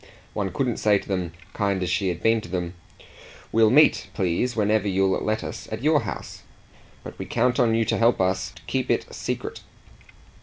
One couldn't say to them, kind as she had been to them: "We'll meet, please, whenever you'll let us, at your house; but we count on you to help us to keep it secret."